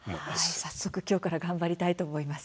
早速きょうから頑張りたいと思います。